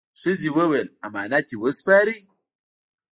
ښځه وویل: «امانت دې وسپاره؟»